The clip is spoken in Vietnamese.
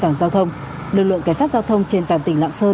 trong đó chú trọng về lực lượng cảnh sát giao thông trên toàn tỉnh lạng sơn